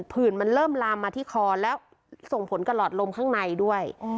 ผื่นมันเริ่มลามมาที่คอแล้วส่งผลกับหลอดลมข้างในด้วย